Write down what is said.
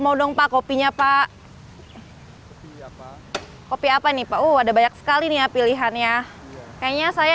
mau dong pak kopinya pak kopi apa nih pak uh ada banyak sekali nih ya pilihannya kayaknya saya